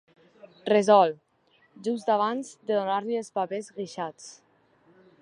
Resol, just abans de tornar-li els papers guixats.